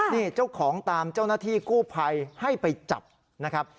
นี่เจ้าของตามเจ้าหน้าที่กู้ภัยให้ไปจับนะครับ